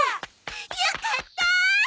よかった！